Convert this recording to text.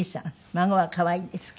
孫は可愛いですか？